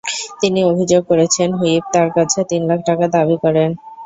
তিনি অভিযোগ করেছেন, হুইপ তাঁর কাছে তিন লাখ টাকা দাবি করেন।